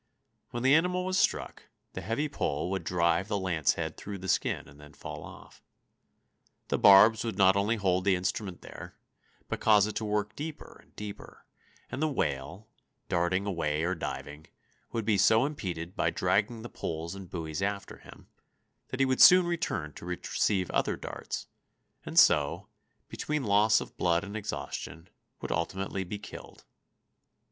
When the animal was struck, the heavy pole would drive the lancehead through the skin and then fall off. The barbs would not only hold the instrument there, but cause it to work deeper and deeper, and the whale, darting away or diving, would be so impeded by dragging the poles and buoys after him, that he would soon return to receive other darts, and so, between loss of blood and exhaustion, would ultimately be killed.